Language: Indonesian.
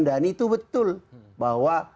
dhani itu betul bahwa